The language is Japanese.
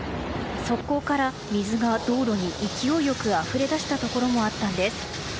側溝から水が道路に勢いよくあふれ出したところもあったんです。